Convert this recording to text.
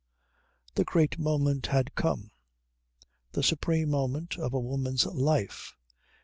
The great moment had come: the supreme moment of a woman's life.